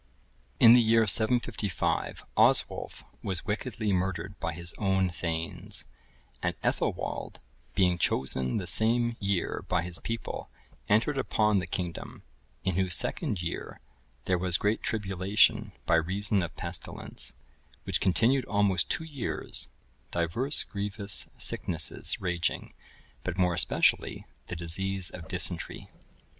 In the year 755, Oswulf was wickedly murdered by his own thegns; and Ethelwald, being chosen the same year by his people, entered upon the kingdom; in whose second year there was great tribulation by reason of pestilence, which continued almost two years, divers grievous sicknesses raging, but more especially the disease of dysentery.